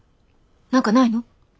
何かないの？